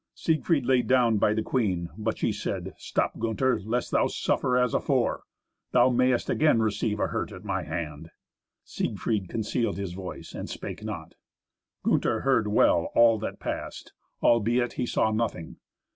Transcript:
Siegfried lay down by the queen, but she said, "Stop, Gunther, lest thou suffer as afore. Thou mayest again receive a hurt at my hand." Siegfried concealed his voice and spake not. Gunther heard well all that passed, albeit he saw nothing.